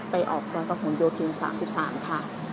ไปออกซอยประหลโยธิน๓๓ค่ะ